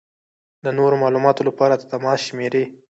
د نورو معلومات لپاره د تماس شمېرې: